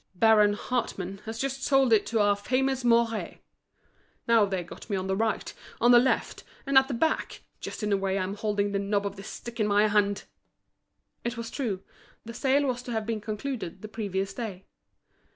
Baron Hartmann, has just sold it to our famous Mouret. Now they've got me on the right, on the left, and at the back, just in the way I'm holding the knob of this stick in my hand!" It was true, the sale was to have been concluded the previous day.